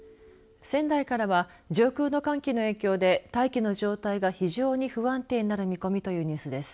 仙台からは上空の寒気の影響で大気の状態が非常に不安定になる見込みというニュースです。